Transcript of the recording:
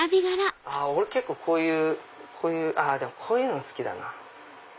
俺結構こういうこういうのが好きだな。